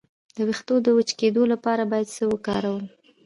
د ویښتو د وچ کیدو لپاره باید څه وکاروم؟